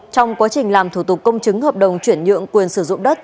trong quá trình làm thủ tục công chứng hợp đồng chuyển nhượng quyền sử dụng đất